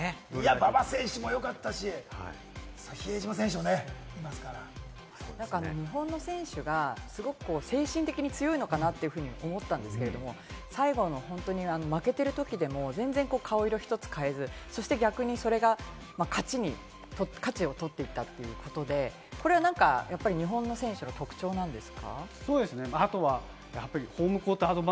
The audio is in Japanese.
馬場選手も良かったし、比江島選手もね。日本の選手がすごく精神的に強いのかなというふうに思ったんですけれど、最後の負けているときでも全然顔色一つ変えず、逆にそれが勝ちを取っていったということで、これは何か日本の選手の特徴なんですか？